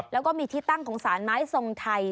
แล้วก็มีที่ตั้งของสารไม้ทรงไทย